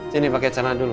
sini pakai celana dulu